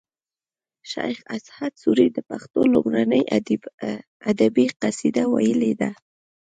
شیخ اسعد سوري د پښتو لومړنۍ ادبي قصیده ویلې ده